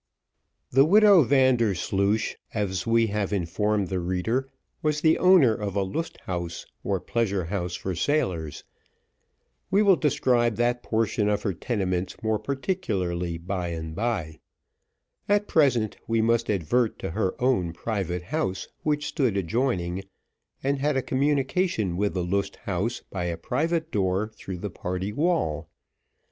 The widow Vandersloosh, as we have informed the reader, was the owner of a Lust Haus, or pleasure house for sailors: we will describe that portion of her tenements more particularly by and bye: at present, we must advert to her own private house, which stood adjoining, and had a communication with the Lust Haus by a private door through the party wall.